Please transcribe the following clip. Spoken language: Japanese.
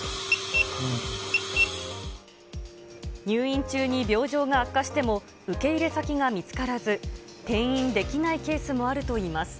入院中に病状が悪化しても受け入れ先が見つからず、転院できないケースもあるといいます。